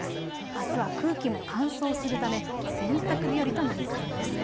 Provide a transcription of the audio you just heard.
あすは空気も乾燥するため洗濯日和となりそうです。